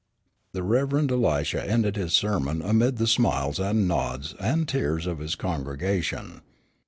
'" The Rev. Elisha ended his sermon amid the smiles and nods and tears of his congregation.